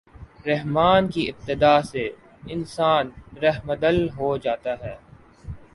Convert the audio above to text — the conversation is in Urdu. رحمٰن کی اتباع سے انسان رحمدل ہو جاتا ہے۔